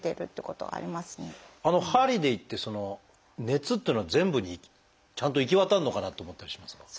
針でいってその熱っていうのは全部にちゃんと行き渡るのかなって思ったりしますが。